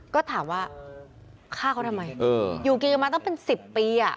ก็ถามว่าฆ่าเขาทำไมอยู่กินกันมาตั้งเป็น๑๐ปี